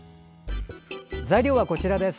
材料はこちらです。